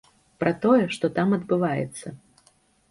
Пра тое, што там адбываецца.